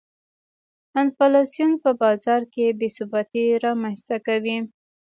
انفلاسیون په بازار کې بې ثباتي رامنځته کوي.